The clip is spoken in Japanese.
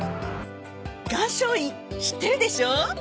岩松院知ってるでしょ？